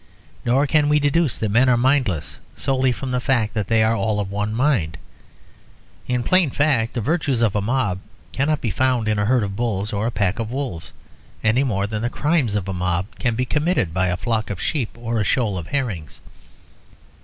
Nor can we deduce that men are mindless solely from the fact that they are all of one mind. In plain fact the virtues of a mob cannot be found in a herd of bulls or a pack of wolves, any more than the crimes of a mob can be committed by a flock of sheep or a shoal of herrings.